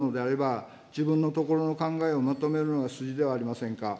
憲法改正を唱えるのであれば、自分のところの考えをまとめるのが筋ではありませんか。